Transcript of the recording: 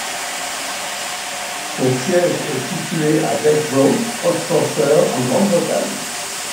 Son siège est situé à Begbroke, Oxfordshire, en Grande-Bretagne.